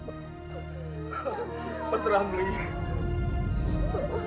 tidak mamy ke ruang